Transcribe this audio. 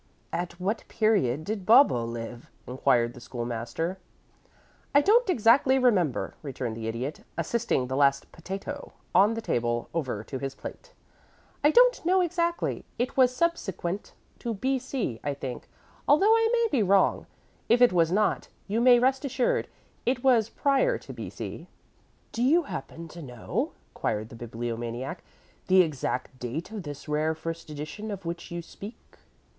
"At what period did Bobbo live?" inquired the School master. "I don't exactly remember," returned the Idiot, assisting the last potato on the table over to his plate. "I don't know exactly. It was subsequent to B.C., I think, although I may be wrong. If it was not, you may rest assured it was prior to B.C." "Do you happen to know," queried the Bibliomaniac, "the exact date of this rare first edition of which you speak?"